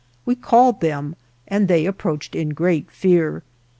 We called them and they approached in great fear.